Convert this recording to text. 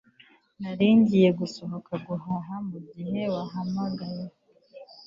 Nari ngiye gusohoka guhaha mugihe wahamagaye